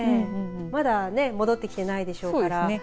まだ戻ってきてないでしょうから。